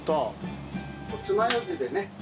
つまようじでね。